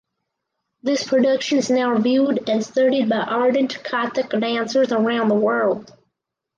This production is now viewed and studied by ardent Kathak dancers around the world.